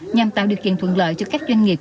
nhằm tạo điều kiện thuận lợi cho các doanh nghiệp